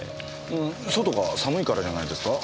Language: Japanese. うーん外が寒いからじゃないですか？